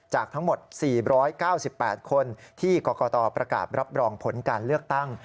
จากทั้งหมด๔๙๘คนที่กรกตประกาศรับรองผลการเลือกตั้ง